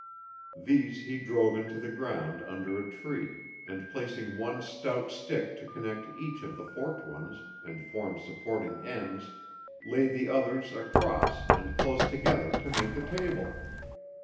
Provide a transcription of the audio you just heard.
These he drove into the ground under a tree, and placing one stout stick to connect each of the forked ones and form supporting ends, laid the others across and close together to make the table.